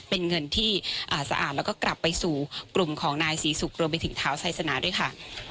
เป็นเงินที่สะอาดแล้วก็กลับไปสู่กลุ่มของนายศรีศุกร์รวมไปถึงเท้าไซสนาด้วยค่ะ